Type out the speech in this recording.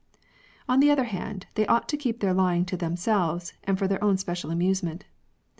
On the other hand, they ought to keep their lying to themselves and for their own special amusement.